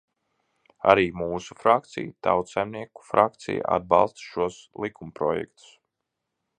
Arī mūsu frakcija, Tautsaimnieku frakcija, atbalsta šos likumprojektus.